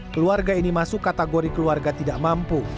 keluarga ini masuk kategori keluarga tidak mampu